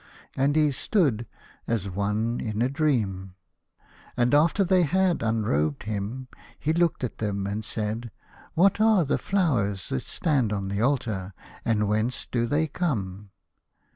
And he stood as one in a dream. And after that they had unrobed him, he looked at them and said, " What are the flowers that stand on the altar, and whence do they come